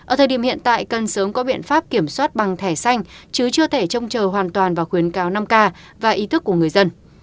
ở thời điểm hiện tại cần sớm có biện pháp kiểm soát bằng thẻ xanh chứ chưa thể trông chờ hoàn toàn vào khuyến cáo năm k và ý thức của người dân